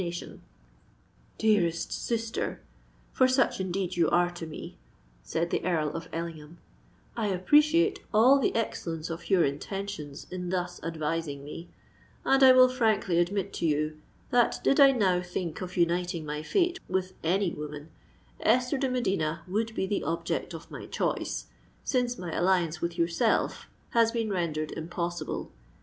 "Dearest sister—for such indeed you are to me," said the Earl of Ellingham, "I appreciate all the excellence of your intentions in thus advising me; and I will frankly admit to you, that did I now think of uniting my fate with any woman, Esther de Medina would be the object of my choice, since my alliance with yourself has been rendered impossible.